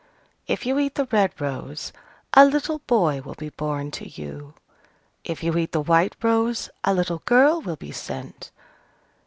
If you eat the red rose, a little boy will be born to you: if you eat the white rose, a little girl will be sent.